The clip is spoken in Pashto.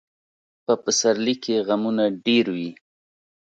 په پسرلي کې غمونه ډېر وي.